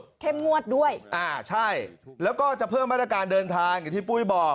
เข้มงวดด้วยอ่าใช่แล้วก็จะเพิ่มมาตรการเดินทางอย่างที่ปุ้ยบอก